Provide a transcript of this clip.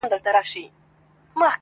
وچ لانده بوټي يې ټوله سوځوله؛